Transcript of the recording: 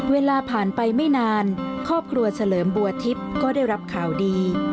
เวลาผ่านไปไม่นานครอบครัวเฉลิมบัวทิพย์ก็ได้รับข่าวดี